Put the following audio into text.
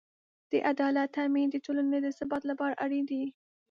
د عدالت تأمین د ټولنې د ثبات لپاره اړین دی.